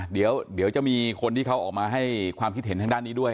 เดี๋ยวจะมีคนที่เขาออกมาให้ความคิดเห็นทางด้านนี้ด้วย